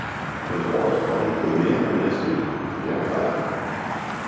Men årets dronning blev mere og mere stille, mere bleg.